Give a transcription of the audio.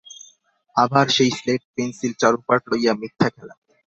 আবার সেই স্লেট-পেনসিল চারুপাঠ লইয়া মিথ্যা খেলা।